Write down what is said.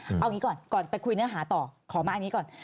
เอางี้ก่อนก่อนไปคุยเนื้อหาต่อขอมาอันนี้ก่อน